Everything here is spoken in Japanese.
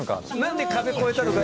何で壁越えたのか。